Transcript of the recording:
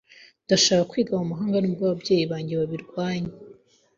Ndashaka kwiga mu mahanga, nubwo ababyeyi banjye babirwanya.